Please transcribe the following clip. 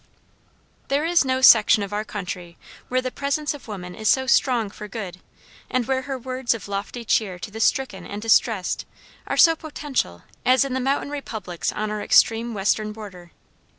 There is no section of our country where the presence of woman is so strong for good, and where her words of lofty cheer to the stricken and distressed are so potential as in the mountain republics on our extreme western border.